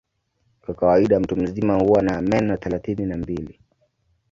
Kwa kawaida mtu mzima huwa na meno thelathini na mbili.